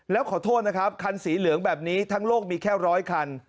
แล้วขอโทษนะครับคันสีเหลืองแบบนี้ทั้งโลกมีแค่ร้อยคัน